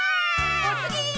おつぎ！